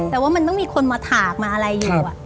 แต่ว่ามันต้องมีคนมาถากมาอะไรอยู่